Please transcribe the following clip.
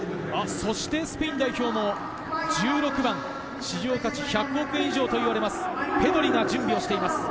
そしてスペイン代表の１６番、市場価値１００億円以上といわれるペドリが準備をしています。